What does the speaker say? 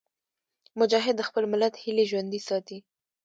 مجاهد د خپل ملت هیلې ژوندي ساتي.